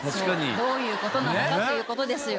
どういう事なのかという事ですよ。